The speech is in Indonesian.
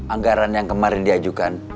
anggaran yang kemarin diajukan